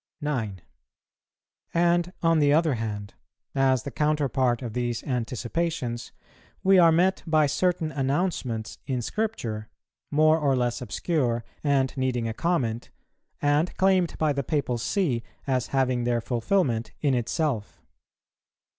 9. And, on the other hand, as the counterpart of these anticipations, we are met by certain announcements in Scripture, more or less obscure and needing a comment, and claimed by the Papal See as having their fulfilment in itself.